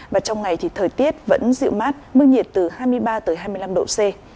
và trong ngày thì thời tiết vẫn dịu mát mức nhiệt từ hai mươi ba hai mươi năm độ c